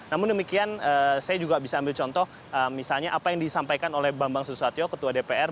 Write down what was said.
namun demikian saya juga bisa ambil contoh misalnya apa yang disampaikan oleh bambang susatyo ketua dpr